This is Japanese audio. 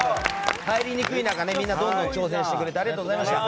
入りにくい中みんなどんどん挑戦してくれてありがとうございました。